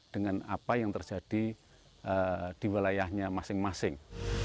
dengan apa yang terjadi di wilayahnya masing masing